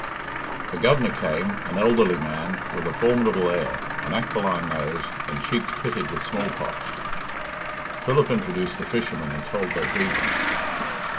The Governor came, an elderly man, with a formidable air, an aquiline nose, and cheeks pitted with small pox. Philip introduced the fishermen and told their grievance.